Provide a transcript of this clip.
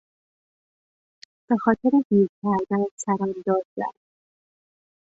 به خاطر دیر کردن سرم داد زد.